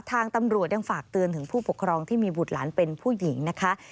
ทางตำรวจยังฝากเตือนถึงผู้ปกครองที่มีบุตรหลานเป็นผู้หญิงนะคะ